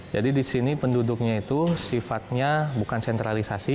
jadi di sini penduduknya itu sifatnya bukan sentralisasi